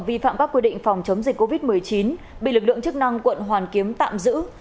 vi phạm các quy định phòng chống dịch covid một mươi chín bị lực lượng chức năng quận hoàn kiếm tạm giữ